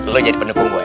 lu jadi pendukung gue